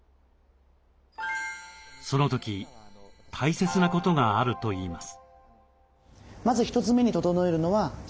その時大切なことがあるといいます。